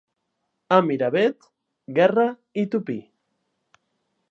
A Miravet, gerra i tupí.